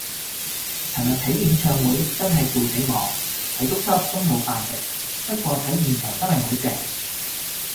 尋日睇演唱會真係攰死我，睇足七粒鐘冇飯食，不過睇現場真係好正